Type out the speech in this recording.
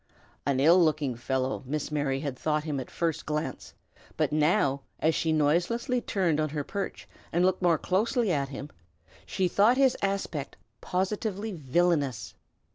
An ill looking fellow, Miss Mary had thought him at the first glance; but now, as she noiselessly turned on her perch and looked more closely at him, she thought his aspect positively villanous.